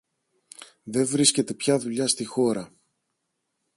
Δε βρίσκεται πια δουλειά στη χώρα.